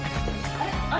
あれ？